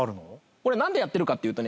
これなんでやってるかっていうとね